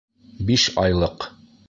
Биш айлыҡ!